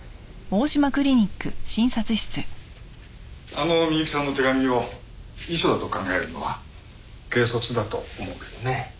あの美雪さんの手紙を遺書だと考えるのは軽率だと思うけどね。